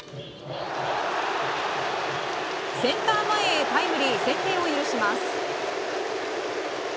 センター前へタイムリー先制を許します。